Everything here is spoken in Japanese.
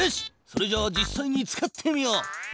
それじゃあ実さいに使ってみよう。